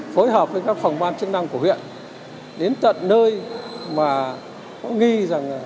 phối hợp với các phòng ban chức năng của huyện đến tận nơi mà có nghi rằng